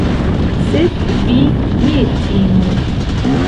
Sed vi ne timu!